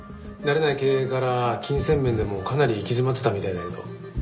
慣れない経営から金銭面でもかなり行き詰まってたみたいだけど。